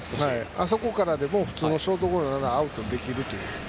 あそこからでも普通のショートゴロでもアウトにできると。